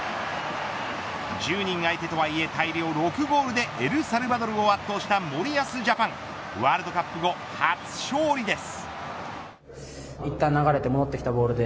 １０人相手とはいえ大量６ゴールでエルサルバドルを圧倒した森保ジャパンワールドカップ後、初勝利です。